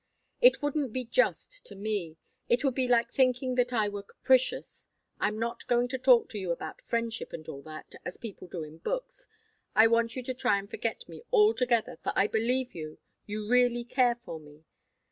"It wouldn't be just to me. It would be like thinking that I were capricious. I'm not going to talk to you about friendship, and all that, as people do in books. I want you to try and forget me altogether for I believe you you really care for me.